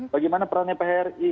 bagaimana perannya phri